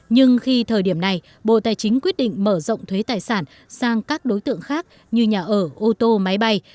nhưng khi thời điểm này bộ tài chính quyết định mở rộng thuế tài sản sang các đối tượng khác như nhà ở ô tô máy bay